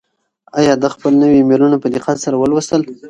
آیا ده خپل نوي ایمیلونه په دقت سره ولوستل؟